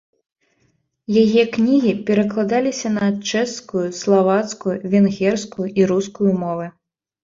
Яе кнігі перакладаліся на чэшскую, славацкую, венгерскую і рускую мовы.